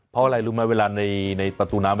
เพราะอะไรรู้ไหมเวลาในประตูน้ำ